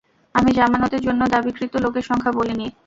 আমি জামানতের জন্য দাবিকৃত লোকের সংখ্যা বলিনি।